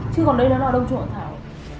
chứ còn đây nó là đông trùng hạ thảo